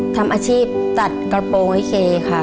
ทำอาชีพตัดกระโปรงให้เคค่ะ